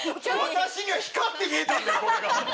私には光って見えたんだよ